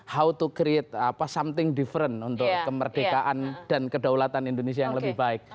how to create something different untuk kemerdekaan dan kedaulatan indonesia yang lebih baik